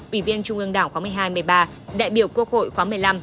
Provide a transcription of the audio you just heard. ủy viên trung ương đảng khóa một mươi hai một mươi ba đại biểu quốc hội khóa một mươi năm